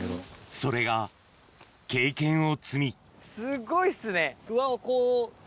それが経験を積みすごいですね。